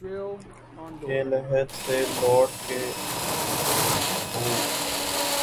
کہ لحد سے لوٹ کے آسکھوں